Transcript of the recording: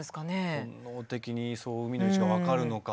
本能的に海の位置が分かるのか。